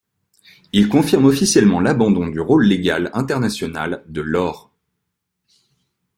Ils confirment officiellement l'abandon du rôle légal international de l'or.